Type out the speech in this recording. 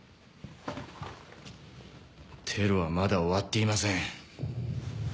テロはまだ終わっていません。